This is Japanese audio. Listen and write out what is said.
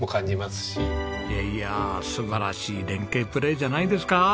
いやあ素晴らしい連係プレーじゃないですか。